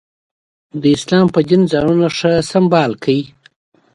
د نننۍ نړۍ له غوښتنو سره سم خپل دین سمبال کړي.